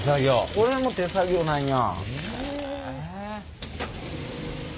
これも手作業なんや。